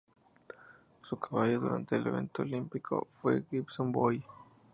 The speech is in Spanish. Su caballo durante el evento olímpico fue "Gibson Boy".